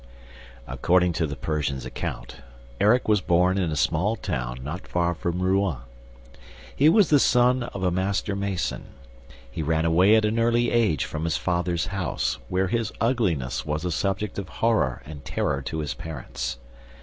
According to the Persian's account, Erik was born in a small town not far from Rouen. He was the son of a master mason. He ran away at an early age from his father's house, where his ugliness was a subject of horror and terror to his parents.